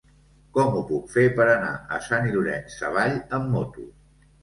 Com ho puc fer per anar a Sant Llorenç Savall amb moto?